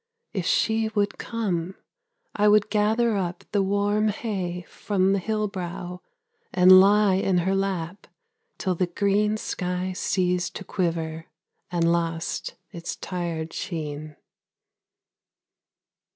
If she would come, I would gather up the warm hay from The hill brow, and lie in her lap till the green Sky ceased to quiver, and lost its tired sheen.